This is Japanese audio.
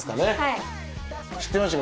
知ってましたか？